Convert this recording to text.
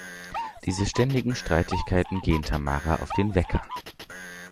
Diese ständigen Streitigkeiten gehen Tamara auf den Wecker.